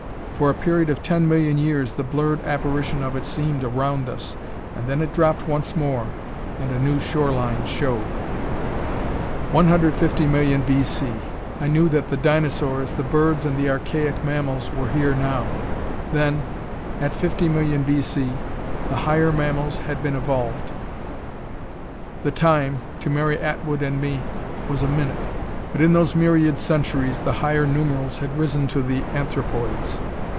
For a period of ten million years the blurred apparition of it seemed around us. And then it dropped once more, and a new shore line showed. 150,000,000 B. C. I knew that the dinosaurs, the birds and the archaic mammals were here now. Then, at 50,000,000 B. C., the higher mammals had been evolved. The Time, to Mary Atwood and me, was a minute but in those myriad centuries the higher numerals had risen to the anthropoids.